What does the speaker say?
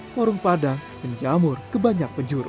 warung padang menjamur kebanyak penjuru